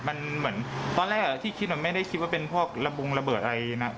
มันเหมือนตอนแรกที่คิดมันไม่ได้คิดว่าเป็นพวกระบงระเบิดอะไรนะ